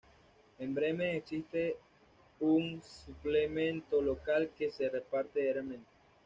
En Bremen existe un suplemento local que se reparte diariamente.